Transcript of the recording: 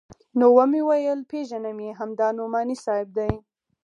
نو ومې ويل پېژنم يې همدا نعماني صاحب دى.